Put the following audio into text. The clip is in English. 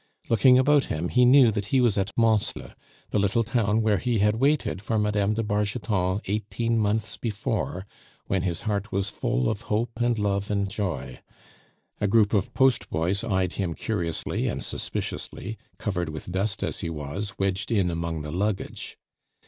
Looking about him, he knew that he was at Mansle, the little town where he had waited for Mme. de Bargeton eighteen months before, when his heart was full of hope and love and joy. A group of post boys eyed him curiously and suspiciously, covered with dust as he was, wedged in among the luggage.